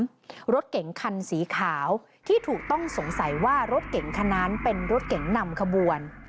รถเก๋งคันสีขาวที่ถูกต้องสงสัยว่ารถเก่งคันนั้นเป็นรถเก๋งนำขบวน